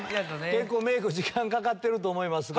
結構メーク時間かかってると思いますが。